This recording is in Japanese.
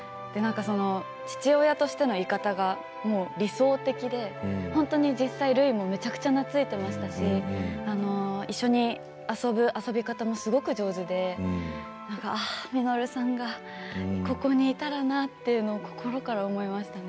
父親としてのいかたがもう理想的で本当にるいも実際めちゃくちゃ懐いていましたし一緒に遊ぶ、遊び方もすごく上手で稔さんがここにいたらなって心から思いましたね。